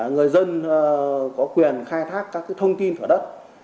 người dân có quyền khai thác các thông tin thỏa đất